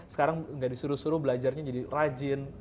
sekarang nggak disuruh suruh belajarnya jadi rajin